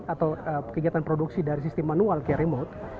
atau kegiatan produksi dari sistem manual ke remote